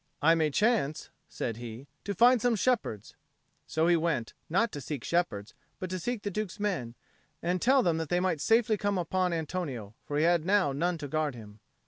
"I may chance," said he, "to find some shepherds." So he went, not to seek shepherds, but to seek the Duke's men, and tell them that they might safely come upon Antonio, for he had now none to guard him.